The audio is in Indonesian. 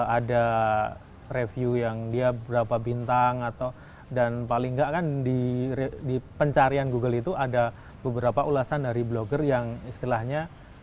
ada review yang dia berapa bintang atau dan paling nggak kan di pencarian google itu ada beberapa ulasan dari blogger yang istilahnya